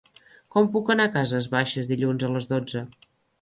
Com puc anar a Cases Baixes dilluns a les dotze?